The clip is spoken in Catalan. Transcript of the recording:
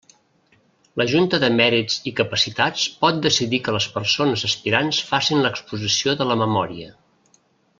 La Junta de Mèrits i Capacitats pot decidir que les persones aspirants facin l'exposició de la memòria.